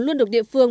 luôn được địa phương